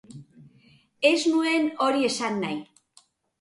Ez nuen hori esan nahi.